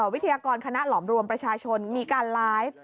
วิทยากรคณะหลอมรวมประชาชนมีการไลฟ์